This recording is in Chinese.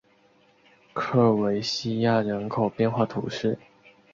科尔韦西亚人口变化图示